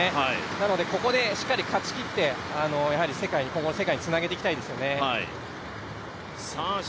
なので、ここでしっかり勝ちきって今後世界につなげていきたいですよね。